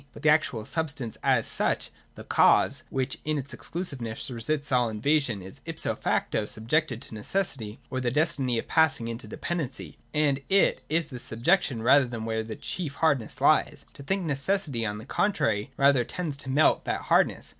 But the actual substance as such, the cause, which in its exclusiveness resists all invasion, is ipso facto subjected to necessity or the destiny of passing into de pendency : and it is this subjection rather where the chief hardness lies. To think necessity, on the con trary, rather tends to melt that hardness.